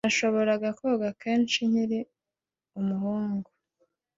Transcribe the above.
Nashoboraga koga neza nkiri umuhungu